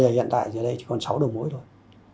hiện tại giờ đây chỉ còn sáu đầu mối thôi